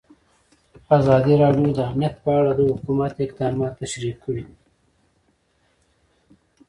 ازادي راډیو د امنیت په اړه د حکومت اقدامات تشریح کړي.